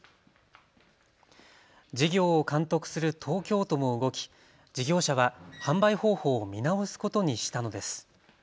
事業を監督する東京都も動き事業者は販売方法を見直すことにしたのです。